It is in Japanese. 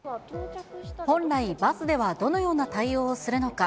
本来、バスではどのような対応をするのか。